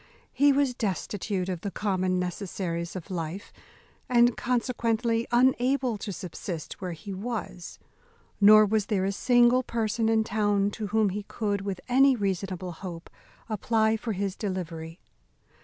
He was destitute of the common necessaries of life, and consequently unable to subsist where he was; nor was there a single person in town to whom he could, with any reasonable hope, apply for his delivery.